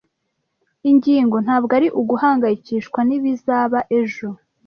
Ingingo ntabwo ari uguhangayikishwa nibizaba ejo.